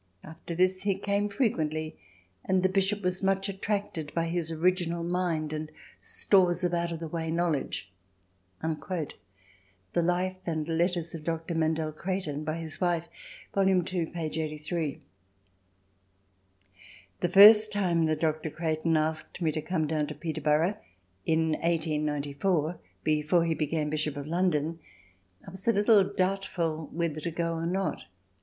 _After this he came frequently and the Bishop was much attracted by his original mind and stores of out of the way knowledge_." (The Life and Letters of Dr. Mandell Creighton by his Wife, Vol. II, p. 83.) The first time that Dr. Creighton asked me to come down to Peterborough in 1894 before he became Bishop of London, I was a little doubtful whether to go or not.